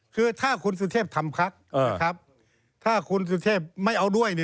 คือถ้าคุณสุเทพทำพักถ้าคุณสุเทพไม่เอาด้วย